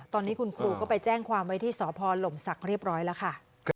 ตอนนี้คุณครูก็ไปแจ้งความไว้ที่สพหลมศักดิ์เรียบร้อยแล้วค่ะ